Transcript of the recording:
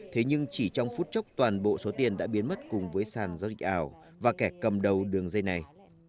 thế nhưng chỉ trong phút chốc toàn bộ số tiền đã biến mất cùng với sàn giao dịch ảo và kẻ cầm đầu đường dây này